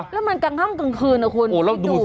แล้วมันกังข้างกลางคืนนะคุณพี่ดู